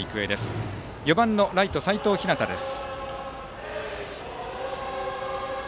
バッターは４番のライト齋藤陽です。